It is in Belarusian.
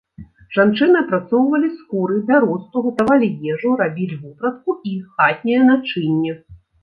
Жанчыны апрацоўвалі скуры, бяросту, гатавалі ежу, рабілі вопратку і хатняе начынне.